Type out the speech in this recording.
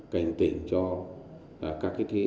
cảnh tỉnh cho các cái thế nghiệp này